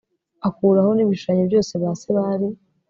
akuraho n ibishushanyo byose ba se bari